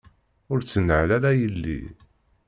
Ur ttnal ara yelli!